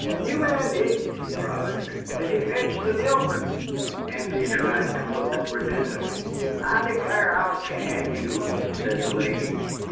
"You Andy!" she cried, "have you fetched the milk?" Andy tried to look repentant. "I declare I'll tan you," said the lady.